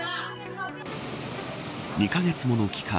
２カ月もの期間